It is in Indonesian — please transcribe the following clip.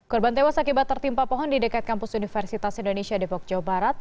korban tewas akibat tertimpa pohon di dekat kampus universitas indonesia depok jawa barat